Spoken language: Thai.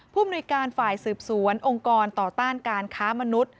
มนุยการฝ่ายสืบสวนองค์กรต่อต้านการค้ามนุษย์